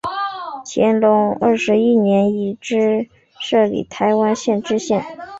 乾隆二十一年以同知摄理台湾县知县。